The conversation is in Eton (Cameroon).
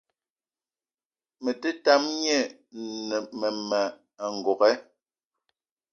Me tam gne mmema n'gogué